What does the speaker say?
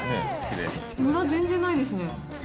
むら、全然ないですね。